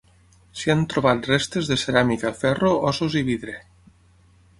S'hi han trobat restes de ceràmica, ferro, ossos i vidre.